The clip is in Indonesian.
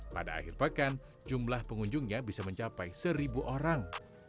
pada akhir pekan jumlah pengunjungnya bisa mencapai seribu orang